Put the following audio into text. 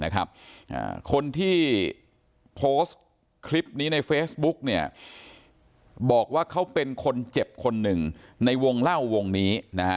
คนที่โพสต์คลิปนี้ในเฟซบุ๊กบอกว่าเขาเป็นคนเจ็บคนหนึ่งในวงเล่าวงนี้